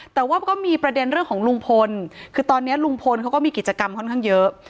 แต่ว่าก็มีประเด็นเรื่องของลุงพลคือตอนนี้ลุงพลเขาก็มีกิจกรรมค่อนข้างเยอะ